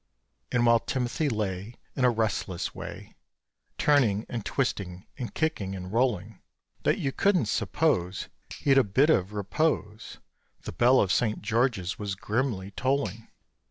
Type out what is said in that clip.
And while Timothy lay, In a restless way, Turning, and twisting, and kicking, and rolling, That you couldn't suppose He'd a bit of repose, The bell of St. George's was grimly tolling!